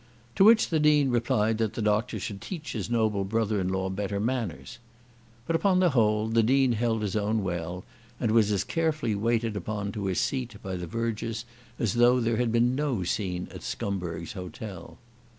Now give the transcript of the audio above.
To which the Dean replied that the Doctor should teach his noble brother in law better manners. But, upon the whole, the Dean held his own well, and was as carefully waited upon to his seat by the vergers as though there had been no scene at Scumberg's Hotel.